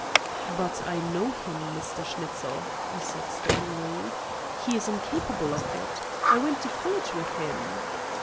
"But, I know him, Mr. Schnitzel," I said sternly. "He is incapable of it. I went to college with him."